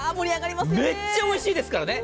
めっちゃおいしいですからね。